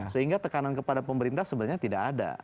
sehingga tekanan kepada pemerintah sebenarnya tidak ada